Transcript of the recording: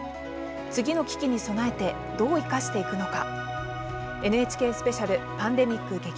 次の危機に備えてどう生かしていくのか？